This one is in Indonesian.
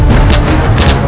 tidak ada kesalahan